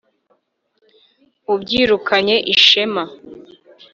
ubyirukanye ishema